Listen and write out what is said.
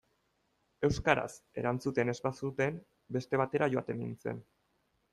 Euskaraz erantzuten ez bazuten, beste batera joaten nintzen.